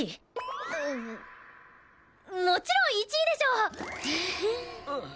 もちろん１位でしょ！